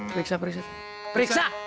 periksa periksa periksa